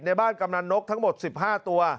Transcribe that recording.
บ้านกำนันนกทั้งหมด๑๕ตัว